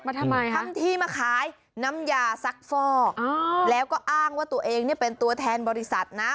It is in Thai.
ทำไมคะทำทีมาขายน้ำยาซักฟอกแล้วก็อ้างว่าตัวเองเนี่ยเป็นตัวแทนบริษัทนะ